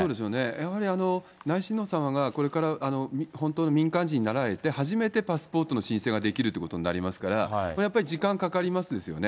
やはり、内親王さまがこれから本当の民間人になられて初めてパスポートの申請ができるということになりますから、これ、やっぱり時間かかりますですよね。